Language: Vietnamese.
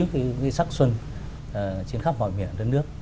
cái sắc xuân trên khắp mọi miền đất nước